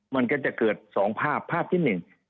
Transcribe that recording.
มันก็จะเกิดสองภาพภาพที่หนึ่ง